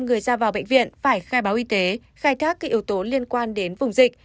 một trăm linh người ra vào bệnh viện phải khai báo y tế khai thác các yếu tố liên quan đến vùng dịch